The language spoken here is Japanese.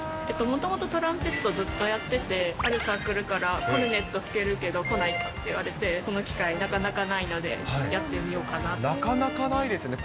もともとトランペットをずっとやってて、あるサークルから、コルネット吹けるけど来ない？って言われて、この機会、なかなかなかなかないですよね。